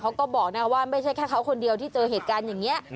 เขาก็บอกนะว่าไม่ใช่แค่เขาคนเดียวที่เจอเหตุการณ์อย่างนี้